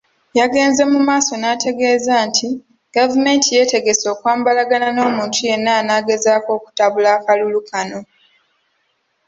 Yagenze mu maaso n'ategeeza nti gavumenti yeetegese okwambalagana n'omuntu yenna anaagezaako okutabula akalulu kano.